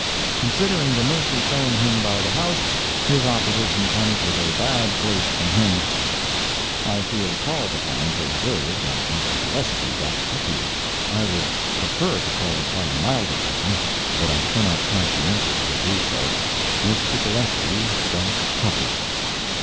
Considering the mercy shown him by the House, his opposition comes with a bad grace from him. [I feel called upon to observe that Mr. Gillespie got huffy—I would prefer to call it by a milder term, but I cannot conscientiously do so. Mr. Gillespie got huffy.